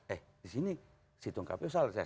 eh disini situng kpu salah